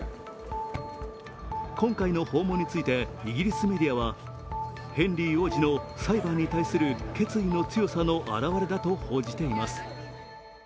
今回の訪問についてイギリスメディアはヘンリー王子の裁判に対する決意の強さの表れだと報じています。